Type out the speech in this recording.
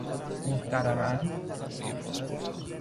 محترما ً